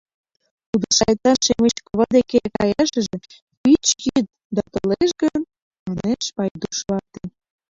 — Тудо шайтан Шемеч кува деке каяшыже — пич йӱд, да толеш гын? — манеш Пайдуш вате.